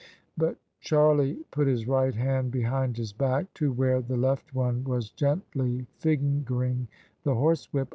But Charlie put his right hand behind his back, to where the left one was gently fingering the horsewhip.